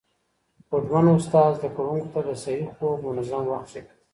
هوډمن استاد زده کوونکو ته د صحي خوب منظم وخت ښيي.